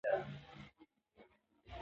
ماشومان د هڅونې له لارې ځان ته باور پیدا کوي